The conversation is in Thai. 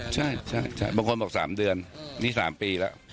ใช่บางคนบอก๓เดือนนี่๓ปีแล้ว